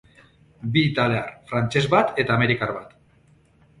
Bi italiar, frantses bat eta amerikar bat.